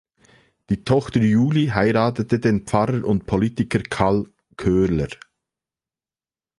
Die Tochter Julie heiratete den Pfarrer und Politiker Karl Köhler.